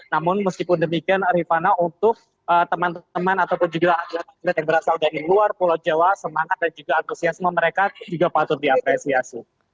namun meskipun demikian rifana untuk teman teman ataupun juga atlet atlet yang berasal dari luar pulau jawa semangat dan juga antusiasme mereka juga patut diapresiasi